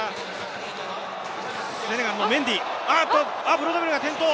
ブロードベルが転倒！